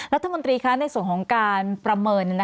รัฐมนตรีคะในส่วนของการประเมิน